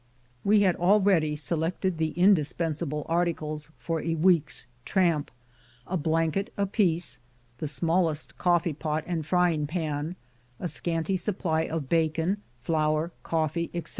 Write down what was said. We had already selected the indispensable articles for a week's tramp, a blanket apiece, the smallest coffee pot and frying pan, a scanty supply of bacon, flour, coffee, etc.